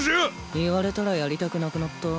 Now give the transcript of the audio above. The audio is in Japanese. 言われたらやりたくなくなった。